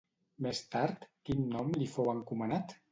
Més tard, quin nom li fou encomanat?